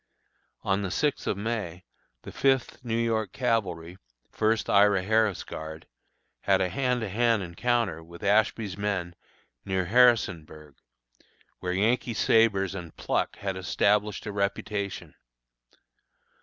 On the sixth of May, the Fifth New York Cavalry, First Ira Harris Guard, had a hand to hand encounter with Ashby's men near Harrisonburg, where Yankee sabres and pluck had established a reputation.